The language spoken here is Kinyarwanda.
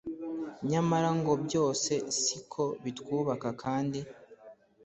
nyamara ngo byose siko bitwubaka kandi